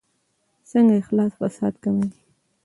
څنګه اخلاص فساد کموي؟